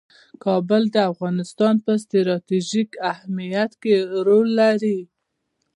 کابل د افغانستان په ستراتیژیک اهمیت کې رول لري.